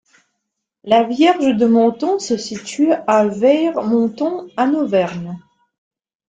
La Vierge de Monton se situe à Veyre-Monton, en Auvergne.